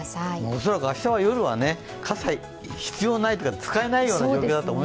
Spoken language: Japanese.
おそらく明日は夜は傘、必要ないっていうか使えないような状況だと思いますけどね。